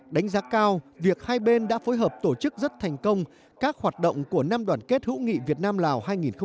đánh giá cao việc hai bên đã phối hợp tổ chức rất thành công các hoạt động của năm đoàn kết hữu nghị việt nam lào hai nghìn một mươi tám